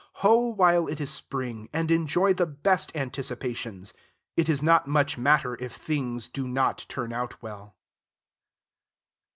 Hoe while it is spring, and enjoy the best anticipations. It is not much matter if things do not turn out well.